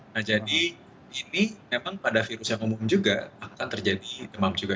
nah jadi ini memang pada virus yang umum juga akan terjadi demam juga